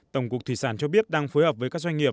tổng cục thủy sản cho biết đang phối hợp với các doanh nghiệp